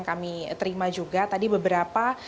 jadi kedepannya seperti apa